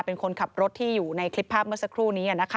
เป็นคนขับรถที่อยู่ในคลิปภาพเมื่อสักครู่นี้นะคะ